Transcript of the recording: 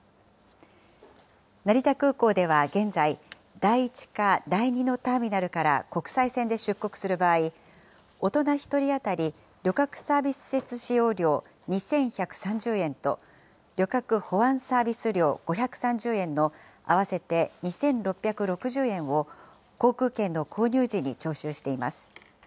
成田空港では現在、第１か第２のターミナルから国際線で出国する場合、大人１人当たり旅客サービス施設使用料２１３０円と、旅客保安サービス料５３０円の合わせて２６６０円を、航空券の購入時に徴収してします。